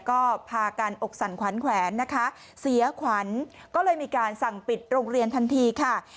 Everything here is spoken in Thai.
ก็พากันอกสั่นขวัญแขวนนะคะเสียขวัญก็เลยมีการสั่งปิดโรงเรียนทันทีค่ะ